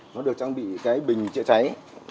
nó được trang bị cái bình chữa cháy